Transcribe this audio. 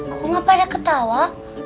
kok nggak pada ketawa